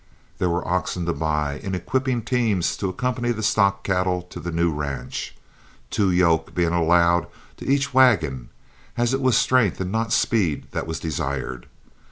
There were oxen to buy in equipping teams to accompany the stock cattle to the new ranch, two yoke being allowed to each wagon, as it was strength and not speed that was desired.